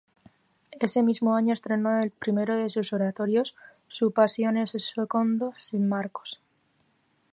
Ese mismo año estrenó el primero de sus oratorios, su "Passione Secondo S. Marco".